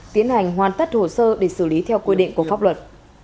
tiến hành hoàn tất hồ sơ để xử lý theo quy định của pháp luật